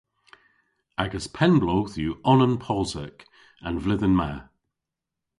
Agas penn-bloodh yw onan posek an vledhen ma.